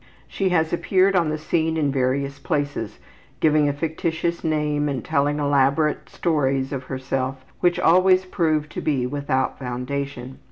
'' She has appeared on the scene in various places, giving a fictitious name and telling elaborate stories of herself which always proved to be without foundation.